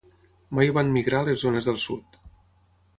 Mai van migrar a les zones del sud.